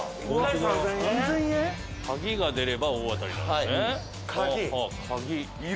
３０００円」「鍵が出れば大当たりなんですね」